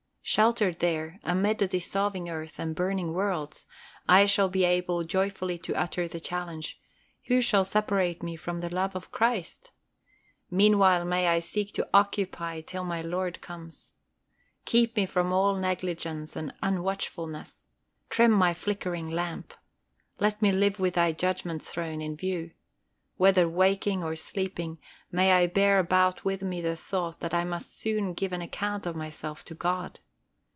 Sheltered there, amid a dissolving earth, and burning worlds, I shall be able joyfully to utter the challenge, "Who shall separate me from the love of Christ?" Meanwhile may I seek to "occupy" till my Lord comes. Keep me from all negligence and unwatchfulness. Trim my flickering lamp. Let me live with Thy Judgment throne in view. Whether waking or sleeping, may I bear about with me the thought that I must soon give an account of myself to God.